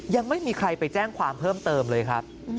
ยังไม่มีใครไปแจ้งความเพิ่มเติมเลยครับ